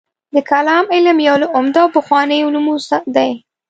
د کلام علم یو له عمده او پخوانیو علومو دی.